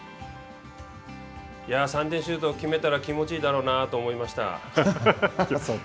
３点シュートを決めたら気持ちいいだろうなと思いました。